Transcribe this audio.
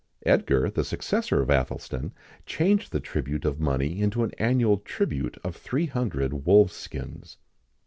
[XIX 41] Edgar, the successor of Athelstan, changed the tribute of money into an annual tribute of three hundred wolves' skins.